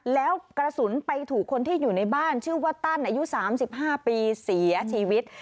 แล้วกระสุนไปถูกคนที่อยู่ในบ้านชื่อว่าตั้นอายุ๓๕ปีเสียชีวิต